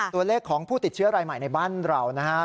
ตัวเลขของผู้ติดเชื้อรายใหม่ในบ้านเรานะครับ